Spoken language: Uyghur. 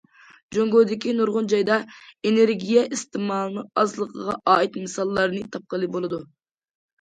جۇڭگودىكى نۇرغۇن جايدا ئېنېرگىيە ئىستېمالىنىڭ ئازلىقىغا ئائىت مىساللارنى تاپقىلى بولىدۇ.